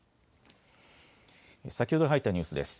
先ほど入ったニュースです。